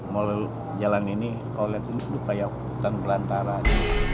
melalui jalan ini kalau lihat ini sudah kayak hutan belantara